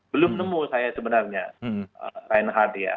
belum nemu saya sebenarnya reinhardt ya